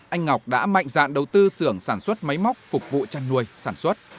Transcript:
anh ngọc đã mạnh dạn đầu tư xưởng sản xuất máy móc phục vụ chăn nuôi sản xuất